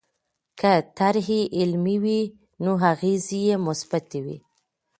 که طرحې علمي وي نو اغېزې یې مثبتې وي.